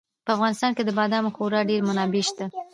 په افغانستان کې د بادامو خورا ډېرې منابع شته دي.